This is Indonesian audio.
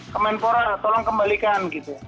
kemenpora tolong kembalikan gitu